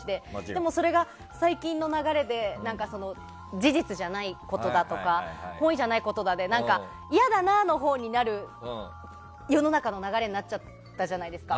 でも、それが最近の流れで事実じゃないことだとか本意じゃない言葉とかで嫌だなのほうになる世の中の流れになっちゃったじゃないですか。